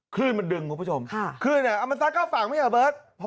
ขลื่นมันดึงคุณผู้ชม